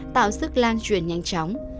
tạo sức lan truyền nhanh chóng